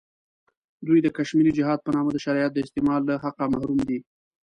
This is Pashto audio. دوی د کشمیري جهاد په نامه د شریعت د استعمال له حقه محروم دی.